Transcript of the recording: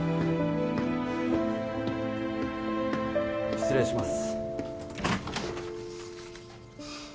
失礼します。